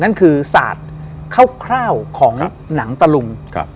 นั่นคือศาสตร์คร่าวของหนังตะลุง